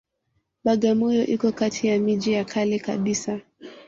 Bagamoyo iko kati ya miji ya kale kabisa